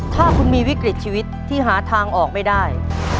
ถ้าคุณมีวิกฤตชีวิตที่หาทางออกไม่ได้